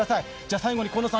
最後の今野さん